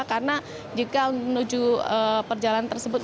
karena jika menuju perjalanan tersebut